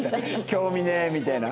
「興味ねえ」みたいな。